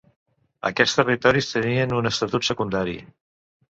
Aquests territoris tenien un estatut secundari.